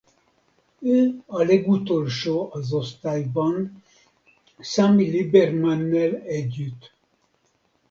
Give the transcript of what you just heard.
Ő a legutolsó az osztályban Sammy Liebermannel együtt.